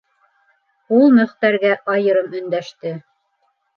- Ул Мөхтәргә айырым өндәште.